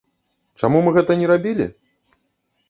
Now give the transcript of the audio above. Чаму мы гэта не рабілі?